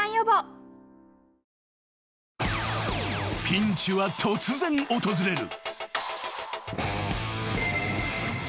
［ピンチは突然訪れる］